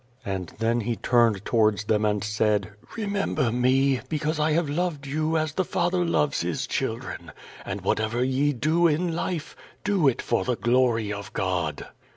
*' And then he turned towards them and said: ''Remember mc, because I have loved you as the father loves his children, and whatever ye do in life, do it for the glory of God.